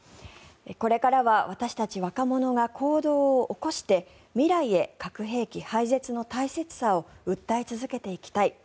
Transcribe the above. これからは私たち若者が行動を起こして未来へ核兵器廃絶の大切さを訴え続けていきたい